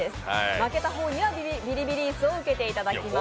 負けた方にはビリビリ椅子を受けてもらいます。